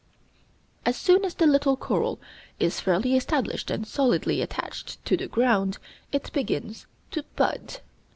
As soon as the little coral is fairly established and solidly attached to the ground, it begins to bud.